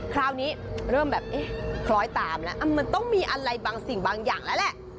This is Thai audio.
คราวนี้เริ่มแบบเอ๊ะคล้อยตามแล้วมันต้องมีอะไรบางสิ่งบางอย่างแล้วแหละ